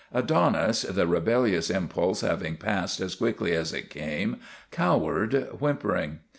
Adonis, the rebellious impulse having passed as quickly as it came, cowered, whimpering.